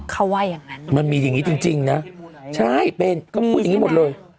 อืมมันมีอย่างนี้จริงนะใช่เป็นก็พูดอย่างนี้หมดเลย